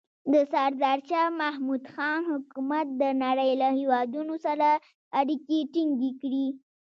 د سردار شاه محمود خان حکومت د نړۍ له هېوادونو سره اړیکې ټینګې کړې.